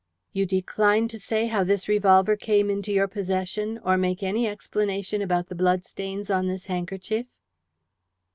"You decline to say how this revolver came into your possession, or make any explanation about the bloodstains on this handkerchief?"